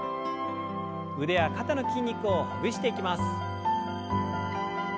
腕や肩の筋肉をほぐしていきます。